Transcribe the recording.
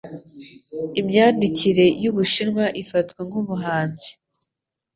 Imyandikire yubushinwa ifatwa nkubuhanzi